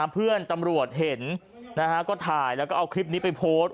เพื่อนตำรวจเห็นก็ถ่ายแล้วก็เอาคลิปนี้ไปโพสต์